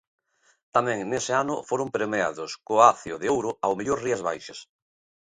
Tamén nese ano foron premiados co Acio de Ouro ao mellor Rías Baixas.